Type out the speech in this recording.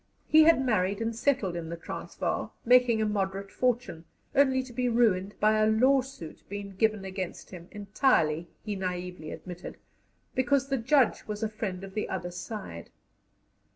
He had married and settled in the Transvaal, making a moderate fortune, only to be ruined by a lawsuit being given against him, entirely, he naively admitted, because the Judge was a friend of the other side.